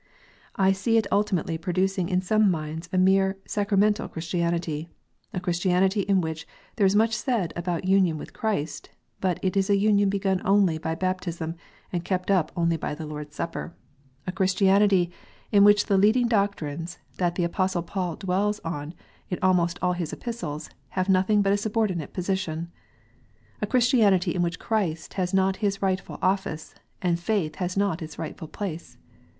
I see it ultimately producing in some minds a mere sacramental Christianity, a Christianity in which there is much said about union with Christ, but it is a union begun only by baptism, and kept up only by the Lord s Supper, a 156 KNOTS UNTIED. Christianity in which the leading doctrines that the Apostle Paul dwells on in almost all his Epistles, have nothing but a subordinate position, a Christianity in which Christ has not His rightful office, and faith has not its rightful place.